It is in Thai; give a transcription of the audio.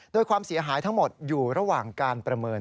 โดยความเสียหายทั้งหมดอยู่ระหว่างการประเมิน